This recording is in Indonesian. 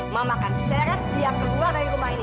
mama akan seret dia keluar dari rumah ini